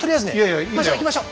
行きましょ。